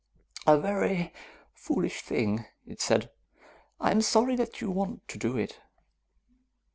"A very foolish thing," it said. "I am sorry that you want to do it.